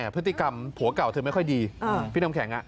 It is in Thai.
พฤติกรรมผัวเก่าเธอไม่ค่อยดีพี่น้ำแข็ง